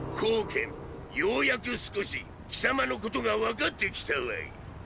ようやく少し貴様のことが分かってきたわィ。